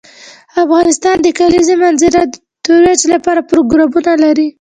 افغانستان د د کلیزو منظره د ترویج لپاره پروګرامونه لري.